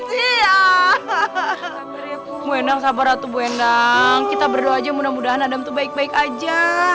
tidak apa apa bu endang kita berdoa saja mudah mudahan adam baik baik saja